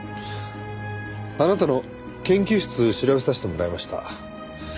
あなたの研究室調べさせてもらいました。